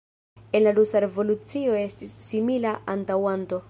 En la rusa revolucio estis simila antaŭanto.